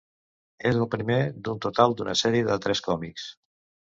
És el primer d'un total d'una sèrie de tres còmics.